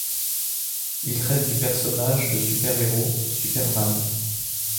Il traite du personnage de super-héros Superman.